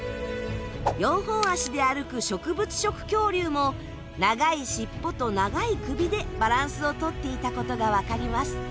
四本足で歩く植物食恐竜も長い尻尾と長い首でバランスをとっていたことがわかります。